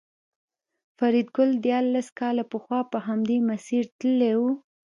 فریدګل دیارلس کاله پخوا په همدې مسیر تللی و